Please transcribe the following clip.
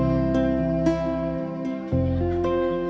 memikirkan sisa dari disebut